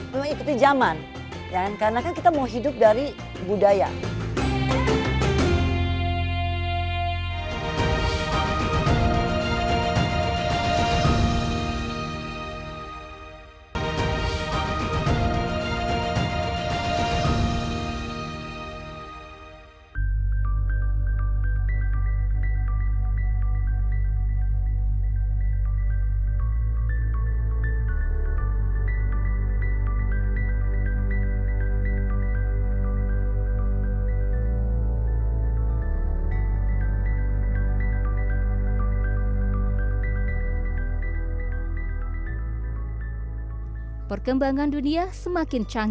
motifnya motif bukit wairinding